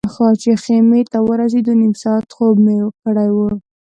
چې خیمې ته ورسېدو نیم ساعت خوب مې کړی و.